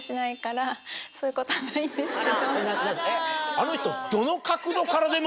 あの人。